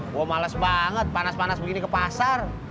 gue males banget panas panas begini ke pasar